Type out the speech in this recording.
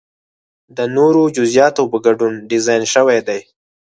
د نورو جزئیاتو په ګډون ډیزاین شوی دی.